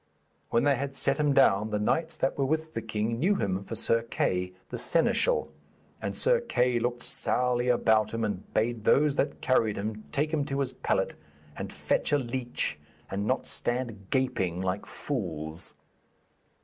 When they had set him down, the knights that were with the king knew him for Sir Kay the seneschal, and Sir Kay looked sourly about him, and bade those that carried him take him to his pallet and fetch a leech, and not stand gaping like fools.